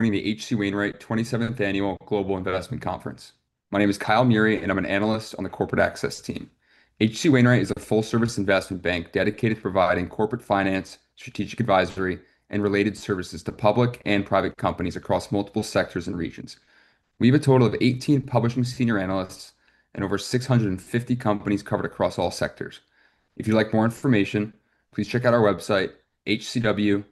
The H.C. Wainwright 27th Annual Global Investment Conference. My name is Kyle Meury, and I'm an analyst on the corporate access team. H.C. Wainwright is a full-service investment bank dedicated to providing corporate finance, strategic advisory, and related services to public and private companies across multiple sectors and regions. We have a total of 18 publishing senior analysts and over 650 companies covered across all sectors. If you'd like more information, please check out our website, hcwco.com.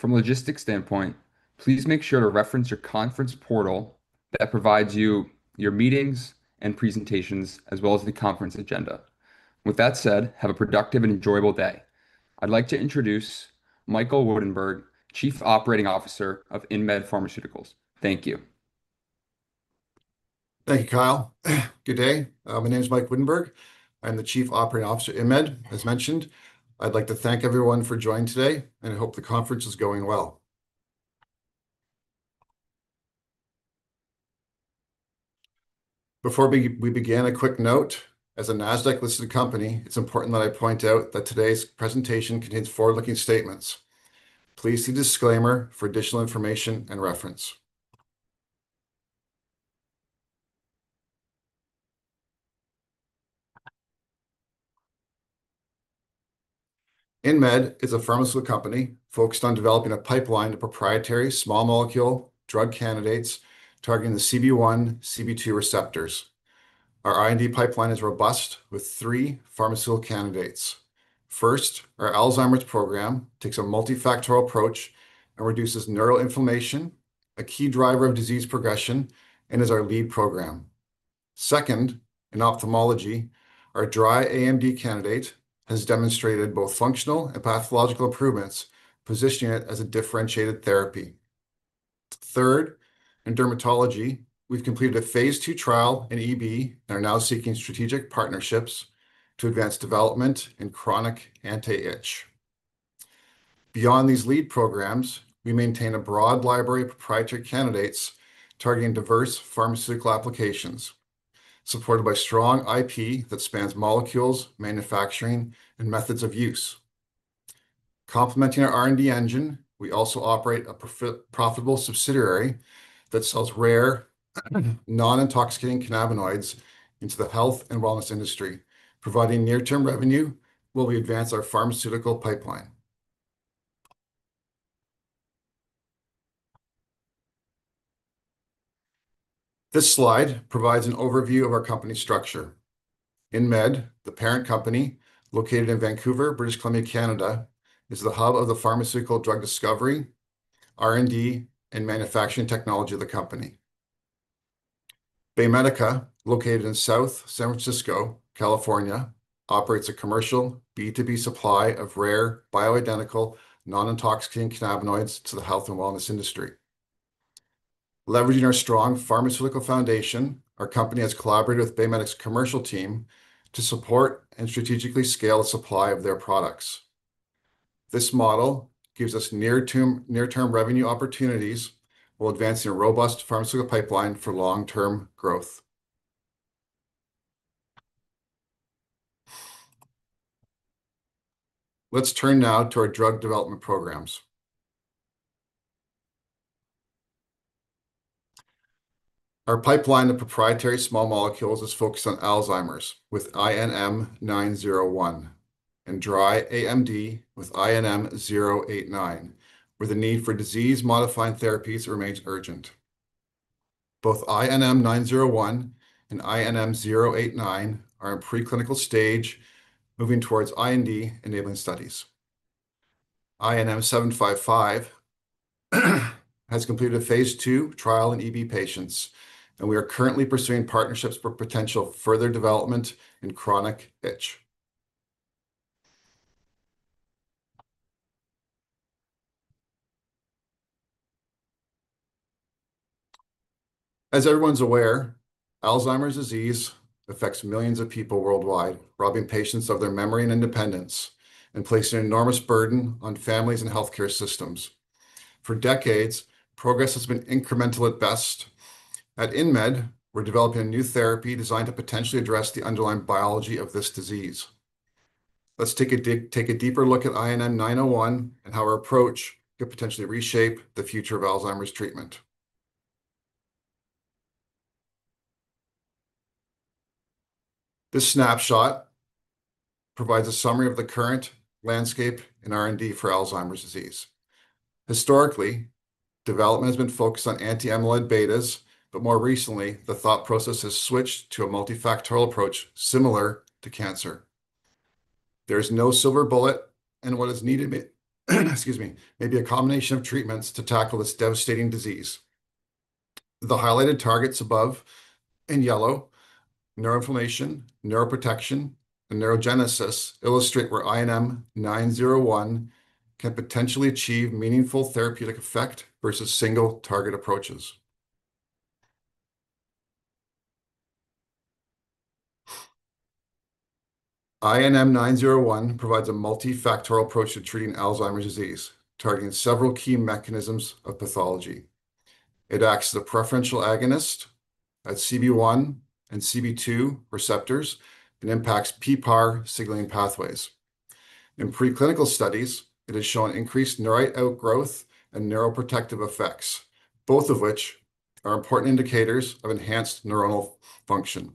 From a logistics standpoint, please make sure to reference your conference portal that provides you your meetings and presentations, as well as the conference agenda. With that said, have a productive and enjoyable day. I'd like to introduce Michael Woudenberg, Chief Operating Officer of InMed Pharmaceuticals. Thank you. Thank you, Kyle. Good day. My name is Michael Woudenberg. I'm the Chief Operating Officer at InMed, as mentioned. I'd like to thank everyone for joining today, and I hope the conference is going well. Before we begin, a quick note: as a Nasdaq-listed company, it's important that I point out that today's presentation contains forward-looking statements. Please see disclaimer for additional information and reference. InMed is a pharmaceutical company focused on developing a pipeline of proprietary small molecule drug candidates targeting the CB1/CB2 receptors. Our R&D pipeline is robust, with three pharmaceutical candidates. First, our Alzheimer's program takes a multifactorial approach and reduces neural inflammation, a key driver of disease progression, and is our lead program. Second, in ophthalmology, our dry AMD candidate has demonstrated both functional and pathological improvements, positioning it as a differentiated therapy. Third, in dermatology, we've completed a phase II trial in EB and are now seeking strategic partnerships to advance development in chronic anti-itch. Beyond these lead programs, we maintain a broad library of proprietary candidates targeting diverse pharmaceutical applications, supported by strong IP that spans molecules, manufacturing, and methods of use. Complementing our R&D engine, we also operate a profitable subsidiary that sells rare, non-intoxicating cannabinoids into the health and wellness industry, providing near-term revenue while we advance our pharmaceutical pipeline. This slide provides an overview of our company structure. InMed, the parent company, located in Vancouver, British Columbia, Canada, is the hub of the pharmaceutical drug discovery, R&D, and manufacturing technology of the company. BayMedica, located in South San Francisco, California, operates a commercial B2B supply of rare, bioidentical, non-intoxicating cannabinoids to the health and wellness industry. Leveraging our strong pharmaceutical foundation, our company has collaborated with BayMedica's commercial team to support and strategically scale the supply of their products. This model gives us near-term, near-term revenue opportunities, while advancing a robust pharmaceutical pipeline for long-term growth. Let's turn now to our drug development programs. Our pipeline of proprietary small molecules is focused on Alzheimer's, with INM-901, and dry AMD with INM-089, where the need for disease-modifying therapies remains urgent. Both INM-901 and INM-089 are in preclinical stage, moving towards IND-enabling studies. INM-755 has completed a phase II trial in EB patients, and we are currently pursuing partnerships for potential further development in chronic itch. As everyone's aware, Alzheimer's disease affects millions of people worldwide, robbing patients of their memory and independence, and placing an enormous burden on families and healthcare systems. For decades, progress has been incremental at best. At InMed, we're developing a new therapy designed to potentially address the underlying biology of this disease. Let's take a deeper look at INM-901 and how our approach could potentially reshape the future of Alzheimer's treatment. This snapshot provides a summary of the current landscape in R&D for Alzheimer's disease. Historically, development has been focused on anti-amyloid betas, but more recently, the thought process has switched to a multifactorial approach similar to cancer. There is no silver bullet, and what is needed may, excuse me, may be a combination of treatments to tackle this devastating disease. The highlighted targets above in yellow, neuroinflammation, neuroprotection, and neurogenesis, illustrate where INM-901 can potentially achieve meaningful therapeutic effect versus single-target approaches. INM-901 provides a multifactorial approach to treating Alzheimer's disease, targeting several key mechanisms of pathology. It acts as a preferential agonist at CB1 and CB2 receptors, and impacts PPAR signaling pathways. In preclinical studies, it has shown increased neurite outgrowth and neuroprotective effects, both of which are important indicators of enhanced neuronal function.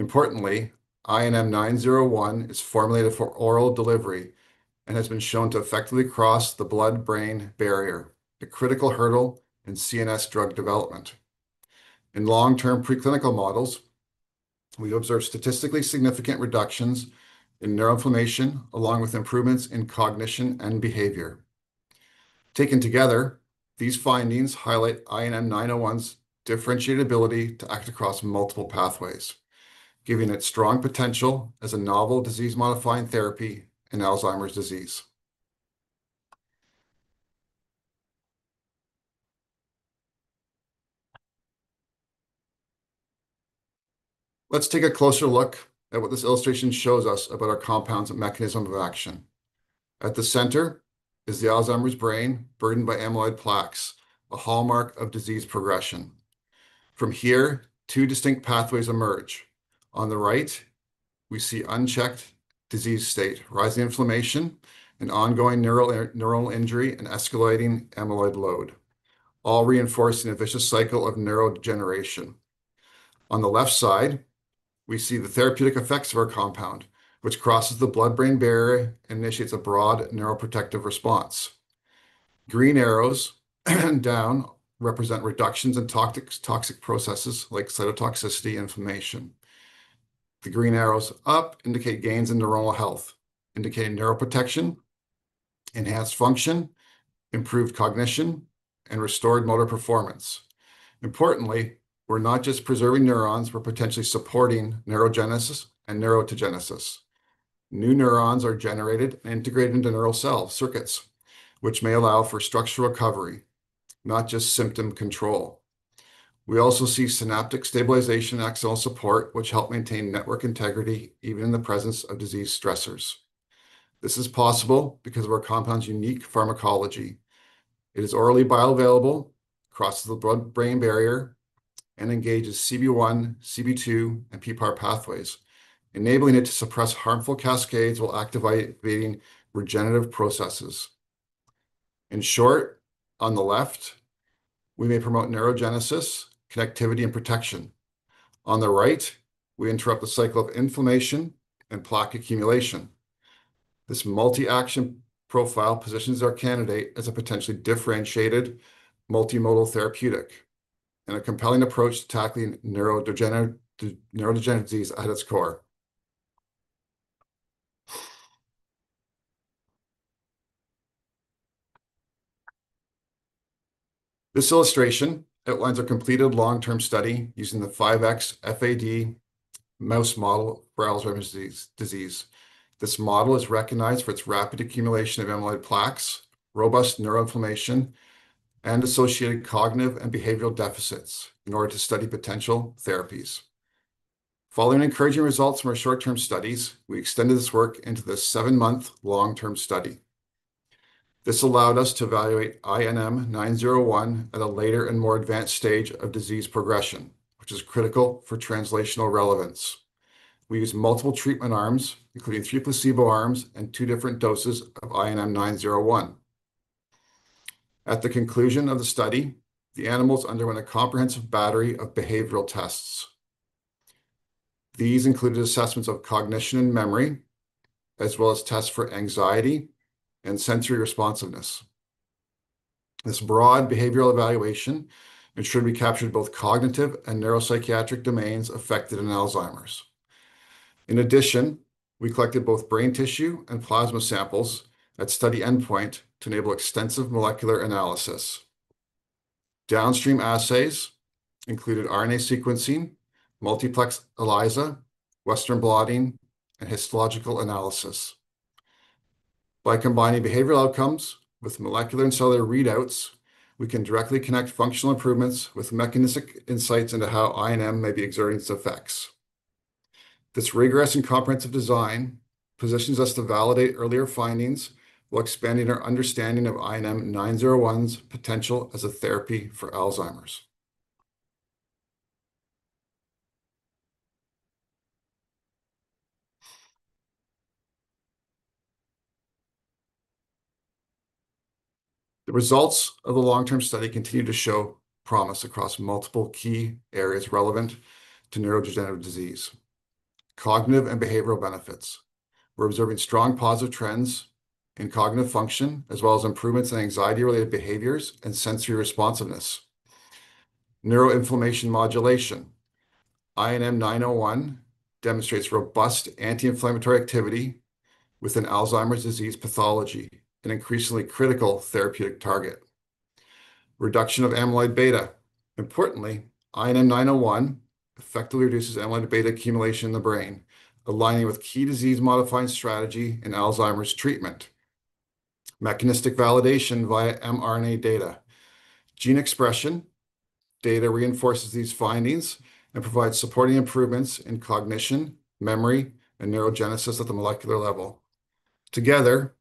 Importantly, INM-901 is formulated for oral delivery and has been shown to effectively cross the blood-brain barrier, a critical hurdle in CNS drug development. In long-term preclinical models, we observed statistically significant reductions in neuroinflammation, along with improvements in cognition and behavior. Taken together, these findings highlight INM-901's differentiated ability to act across multiple pathways, giving it strong potential as a novel disease-modifying therapy in Alzheimer's disease. Let's take a closer look at what this illustration shows us about our compound's mechanism of action. At the center is the Alzheimer's brain, burdened by amyloid plaques, a hallmark of disease progression. From here, two distinct pathways emerge. On the right, we see unchecked disease state, rising inflammation, and ongoing neural injury, and escalating amyloid load, all reinforcing a vicious cycle of neurodegeneration. On the left side, we see the therapeutic effects of our compound, which crosses the blood-brain barrier and initiates a broad neuroprotective response. Green arrows down represent reductions in toxic processes like cytotoxicity inflammation. The green arrows up indicate gains in neuronal health, indicating neuroprotection, enhanced function, improved cognition, and restored motor performance. Importantly, we're not just preserving neurons, we're potentially supporting neurogenesis and neuritogenesis. New neurons are generated and integrated into neural cell circuits, which may allow for structural recovery, not just symptom control. We also see synaptic stabilization and axonal support, which help maintain network integrity, even in the presence of disease stressors. This is possible because of our compound's unique pharmacology. It is orally bioavailable, crosses the blood-brain barrier, and engages CB1, CB2, and PPAR pathways, enabling it to suppress harmful cascades while activating regenerative processes. In short, on the left, we may promote neurogenesis, connectivity, and protection. On the right, we interrupt the cycle of inflammation and plaque accumulation. This multi-action profile positions our candidate as a potentially differentiated, multimodal therapeutic, and a compelling approach to tackling neurodegenerative disease at its core. This illustration outlines a completed long-term study using the 5XFAD mouse model for Alzheimer's disease. This model is recognized for its rapid accumulation of amyloid plaques, robust neuroinflammation, and associated cognitive and behavioral deficits in order to study potential therapies. Following encouraging results from our short-term studies, we extended this work into this seven-month long-term study. This allowed us to evaluate INM-901 at a later and more advanced stage of disease progression, which is critical for translational relevance. We used multiple treatment arms, including three placebo arms and two different doses of INM-901. At the conclusion of the study, the animals underwent a comprehensive battery of behavioral tests. These included assessments of cognition and memory, as well as tests for anxiety and sensory responsiveness. This broad behavioral evaluation ensured we captured both cognitive and neuropsychiatric domains affected in Alzheimer's. In addition, we collected both brain tissue and plasma samples at study endpoint to enable extensive molecular analysis. Downstream assays included RNA sequencing, multiplex ELISA, Western blotting, and histological analysis. By combining behavioral outcomes with molecular and cellular readouts, we can directly connect functional improvements with mechanistic insights into how INM may be exerting its effects. This rigorous and comprehensive design positions us to validate earlier findings while expanding our understanding of INM-901's potential as a therapy for Alzheimer's. The results of the long-term study continue to show promise across multiple key areas relevant to neurodegenerative disease. Cognitive and behavioral benefits. We're observing strong positive trends in cognitive function, as well as improvements in anxiety-related behaviors and sensory responsiveness. Neuroinflammation modulation. INM-901 demonstrates robust anti-inflammatory activity with an Alzheimer's disease pathology, an increasingly critical therapeutic target. Reduction of amyloid beta. Importantly, INM-901 effectively reduces amyloid beta accumulation in the brain, aligning with key disease-modifying strategy in Alzheimer's treatment. Mechanistic validation via mRNA data. Gene expression data reinforces these findings and provides supporting improvements in cognition, memory, and neurogenesis at the molecular level.... Together,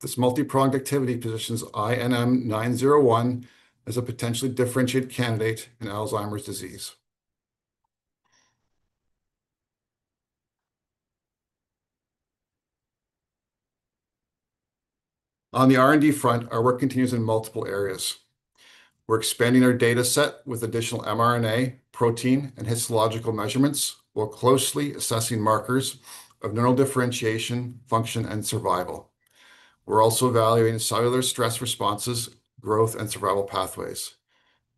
this multi-pronged activity positions INM-901 as a potentially differentiated candidate in Alzheimer's disease. On the R&D front, our work continues in multiple areas. We're expanding our data set with additional mRNA, protein, and histological measurements, while closely assessing markers of neural differentiation, function, and survival. We're also evaluating cellular stress responses, growth, and survival pathways.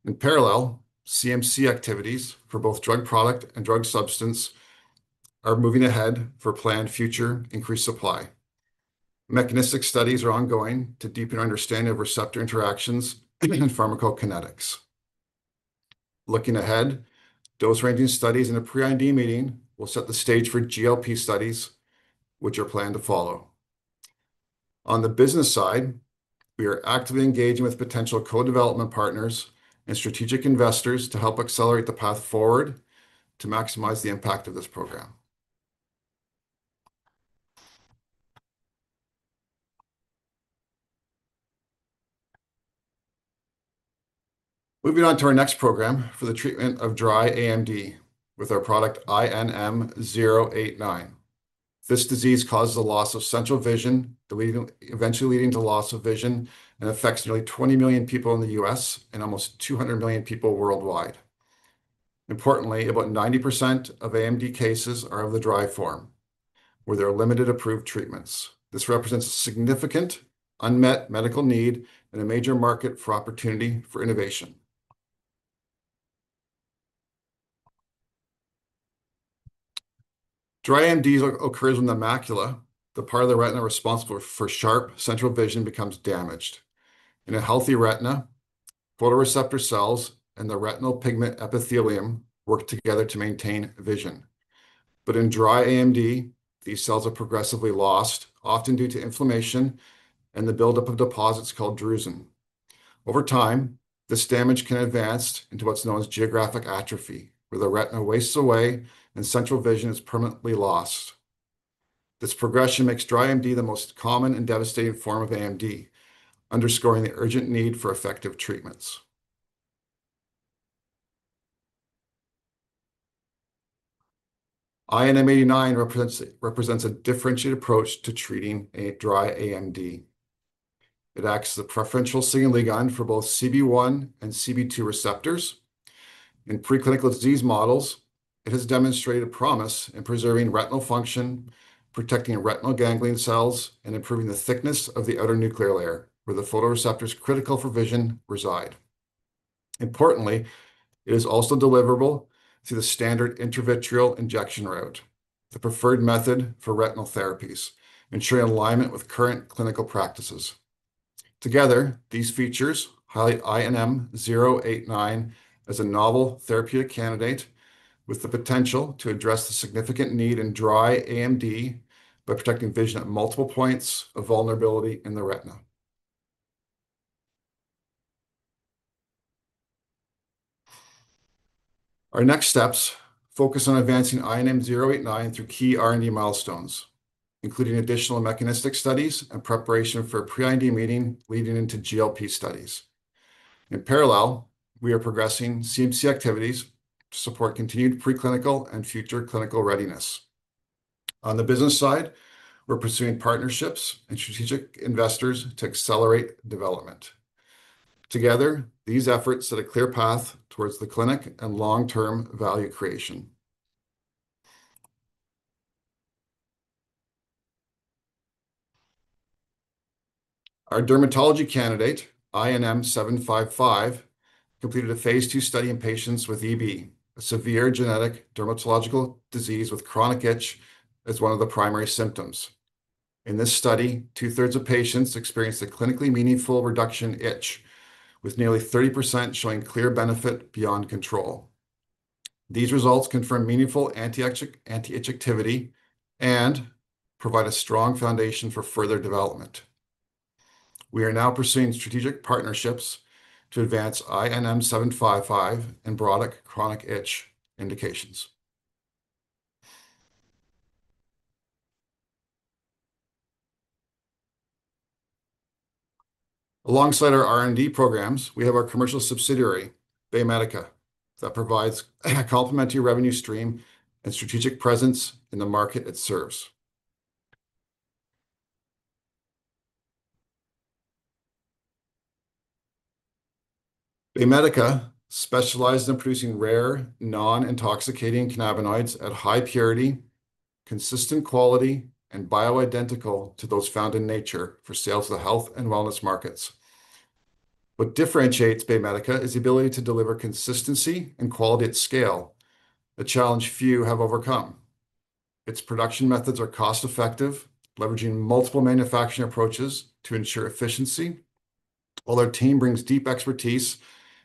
In parallel, CMC activities for both drug product and drug substance are moving ahead for planned future increased supply. Mechanistic studies are ongoing to deepen our understanding of receptor interactions and pharmacokinetics. Looking ahead, dose-ranging studies in a pre-IND meeting will set the stage for GLP studies, which are planned to follow. On the business side, we are actively engaging with potential co-development partners and strategic investors to help accelerate the path forward to maximize the impact of this program. Moving on to our next program for the treatment of Dry AMD with our product, INM-089. This disease causes a loss of central vision, leading to loss of vision, and affects nearly 20 million people in the U.S. and almost 200 million people worldwide. Importantly, about 90% of AMD cases are of the dry form, where there are limited approved treatments. This represents a significant unmet medical need and a major market for opportunity for innovation. Dry AMD occurs when the macula, the part of the retina responsible for sharp central vision, becomes damaged. In a healthy retina, photoreceptor cells and the retinal pigment epithelium work together to maintain vision. But in dry AMD, these cells are progressively lost, often due to inflammation and the buildup of deposits called drusen. Over time, this damage can advance into what's known as geographic atrophy, where the retina wastes away and central vision is permanently lost. This progression makes dry AMD the most common and devastating form of AMD, underscoring the urgent need for effective treatments. INM-089 represents a differentiated approach to treating a dry AMD. It acts as a preferential signaling ligand for both CB1 and CB2 receptors. In preclinical disease models, it has demonstrated promise in preserving retinal function, protecting retinal ganglion cells, and improving the thickness of the outer nuclear layer, where the photoreceptors critical for vision reside. Importantly, it is also deliverable through the standard intravitreal injection route, the preferred method for retinal therapies, ensuring alignment with current clinical practices. Together, these features highlight INM-089 as a novel therapeutic candidate with the potential to address the significant need in dry AMD by protecting vision at multiple points of vulnerability in the retina. Our next steps focus on advancing INM-089 through key R&D milestones, including additional mechanistic studies and preparation for a pre-IND meeting leading into GLP studies. In parallel, we are progressing CMC activities to support continued preclinical and future clinical readiness. On the business side, we're pursuing partnerships and strategic investors to accelerate development. Together, these efforts set a clear path towards the clinic and long-term value creation. Our dermatology candidate, INM-755, completed a phase II study in patients with EB, a severe genetic dermatological disease with chronic itch as one of the primary symptoms. In this study, two-thirds of patients experienced a clinically meaningful reduction in itch, with nearly 30% showing clear benefit beyond control. These results confirm meaningful anti-itch, anti-itch activity and provide a strong foundation for further development. We are now pursuing strategic partnerships to advance INM-755 in broad chronic itch indications. Alongside our R&D programs, we have our commercial subsidiary, BayMedica, that provides a complementary revenue stream and strategic presence in the market it serves. BayMedica specializes in producing rare, non-intoxicating cannabinoids at high purity, consistent quality, and bioidentical to those found in nature for sales to the health and wellness markets. What differentiates BayMedica is the ability to deliver consistency and quality at scale, a challenge few have overcome. Its production methods are cost-effective, leveraging multiple manufacturing approaches to ensure efficiency, while our team brings deep expertise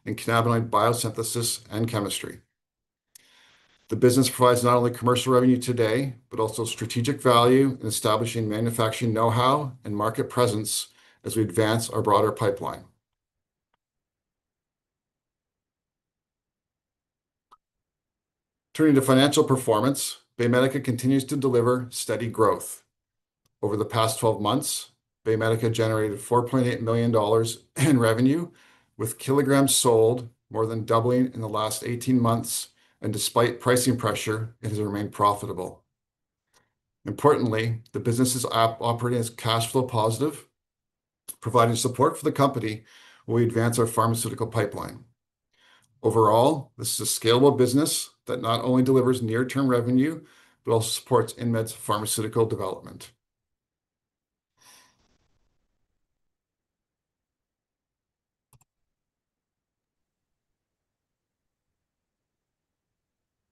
in cannabinoid biosynthesis and chemistry. The business provides not only commercial revenue today, but also strategic value in establishing manufacturing know-how and market presence as we advance our broader pipeline.... Turning to financial performance, BayMedica continues to deliver steady growth. Over the past 12 months, BayMedica generated $4.8 million in revenue, with kilograms sold more than doubling in the last 18 months, and despite pricing pressure, it has remained profitable. Importantly, the business is operating as cash flow positive, providing support for the company while we advance our pharmaceutical pipeline. Overall, this is a scalable business that not only delivers near-term revenue, but also supports InMed's pharmaceutical development.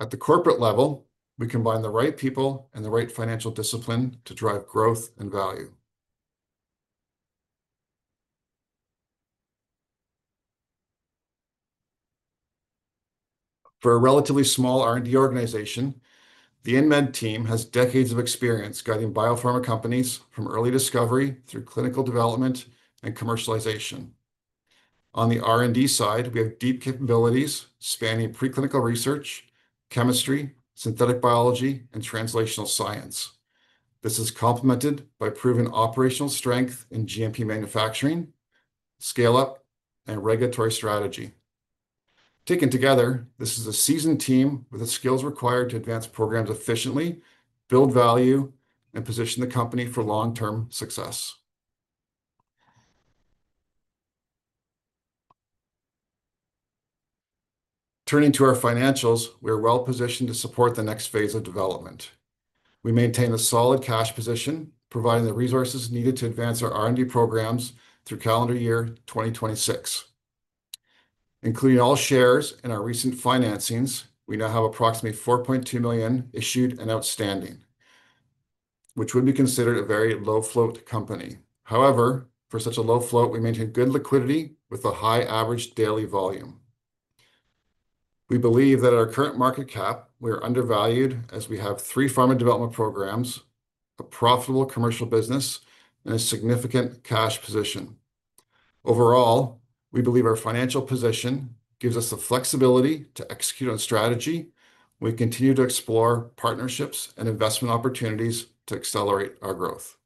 At the corporate level, we combine the right people and the right financial discipline to drive growth and value. For a relatively small R&D organization, the InMed team has decades of experience guiding biopharma companies from early discovery through clinical development and commercialization. On the R&D side, we have deep capabilities spanning preclinical research, chemistry, synthetic biology, and translational science. This is complemented by proven operational strength in GMP manufacturing, scale-up, and regulatory strategy. Taken together, this is a seasoned team with the skills required to advance programs efficiently, build value, and position the company for long-term success. Turning to our financials, we are well-positioned to support the next phase of development. We maintain a solid cash position, providing the resources needed to advance our R&D programs through calendar year 2026. Including all shares in our recent financings, we now have approximately 4.2 million issued and outstanding, which would be considered a very low-float company. However, for such a low float, we maintain good liquidity with a high average daily volume. We believe that our current market cap, we are undervalued, as we have three pharma development programs, a profitable commercial business, and a significant cash position. Overall, we believe our financial position gives us the flexibility to execute on strategy. We continue to explore partnerships and investment opportunities to accelerate our growth.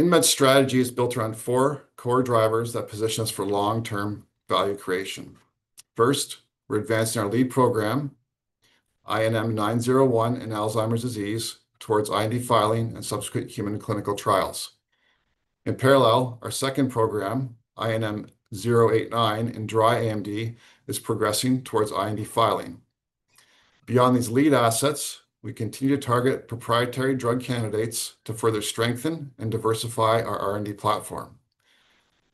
InMed's strategy is built around four core drivers that position us for long-term value creation. First, we're advancing our lead program, INM-901 in Alzheimer's disease, towards IND filing and subsequent human clinical trials. In parallel, our second program, INM-089 in dry AMD, is progressing towards IND filing. Beyond these lead assets, we continue to target proprietary drug candidates to further strengthen and diversify our R&D platform,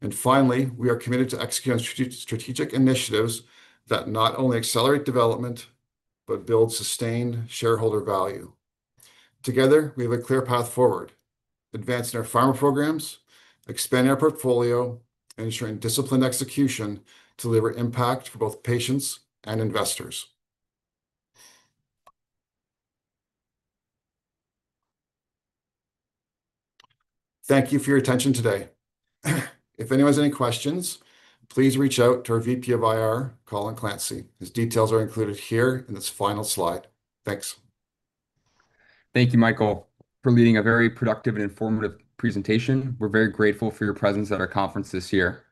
and finally, we are committed to executing strategic initiatives that not only accelerate development, but build sustained shareholder value. Together, we have a clear path forward, advancing our pharma programs, expanding our portfolio, ensuring disciplined execution to deliver impact for both patients and investors. Thank you for your attention today. If anyone has any questions, please reach out to our VP of IR, Colin Clancy. His details are included here in this final slide. Thanks. Thank you, Michael, for leading a very productive and informative presentation. We're very grateful for your presence at our conference this year.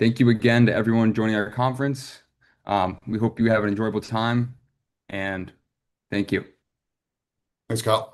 Thank you again to everyone joining our conference. We hope you have an enjoyable time, and thank you. Thanks, Kyle.